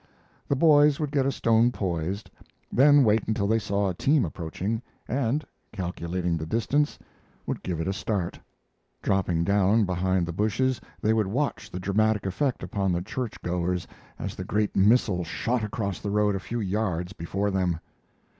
The boys would get a stone poised, then wait until they saw a team approaching, and, calculating the distance, would give it a start. Dropping down behind the bushes, they would watch the dramatic effect upon the church goers as the great missile shot across the road a few yards before them.